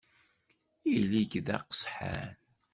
Ili-k d aqesḥan!